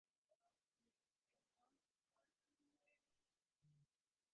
আমাদের কি আদৌ কোনো পরিকল্পনা আছে?